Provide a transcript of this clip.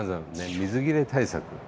水切れ対策。